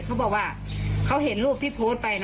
เขาบอกว่าเขาเห็นรูปที่โพสต์ไป